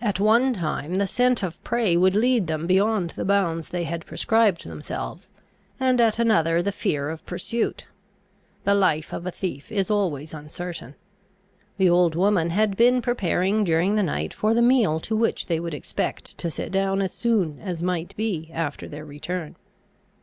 At one time the scent of prey would lead them beyond the bounds they had prescribed themselves, and at another the fear of pursuit: the life of a thief is always uncertain. The old woman had been preparing during the night for the meal to which they would expect to sit down as soon as might be after their return.